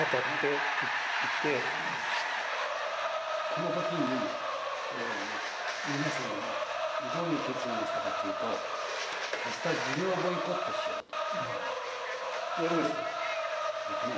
この時に皆さんがどういう決議をしたかというとあした授業ボイコットしようと。ですね。